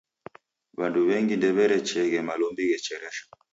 W'andu w'engi ndew'erecheeghe malombi ghecheresha.